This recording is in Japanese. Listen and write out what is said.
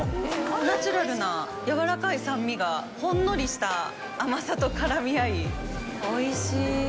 ナチュラルな、やわらかい酸味がほんのりした甘さと絡み合い、おいしい。